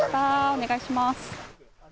お願いします。